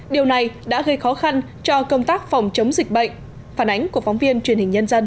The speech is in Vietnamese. điều này đã gây khó khăn cho công tác phòng chống dịch bệnh phản ánh của phóng viên truyền hình nhân dân